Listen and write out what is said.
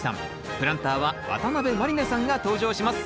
プランターは渡辺満里奈さんが登場します。